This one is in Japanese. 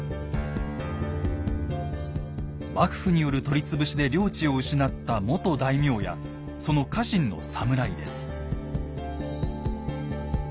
幕府による取り潰しで領地を失った元大名やその家臣の侍です。